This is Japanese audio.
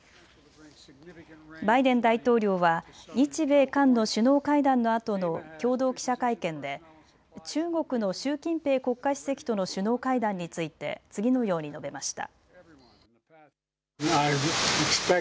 バイデン大統領は日米韓の首脳会談のあとの共同記者会見で中国の習近平国家主席との首脳会談について次のように述べました。